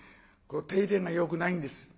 手入れがよくないんです。